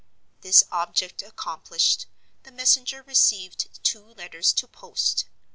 This object accomplished, the messenger received two letters to post.